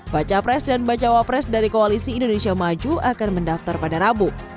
baca pres dan bacawa pres dari koalisi indonesia maju akan mendaftar pada rabu